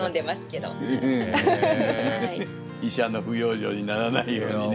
医者の不養生にならないようにね。